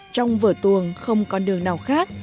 trong vở tuồng không còn đường nào khác